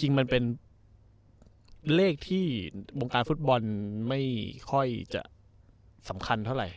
จริงมันเป็นเลขที่วงการฟุตบอลไม่ค่อยจะสำคัญเท่าไหร่